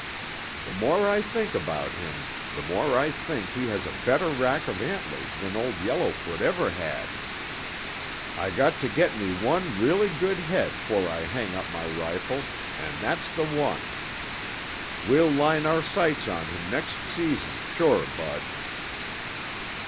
"The more I think about him, the more I think he has a better rack of antlers than Old Yellowfoot ever had. I got to get me one really good head 'fore I hang up my rifle, and that's the one. We'll line our sights on him next season sure, Bud."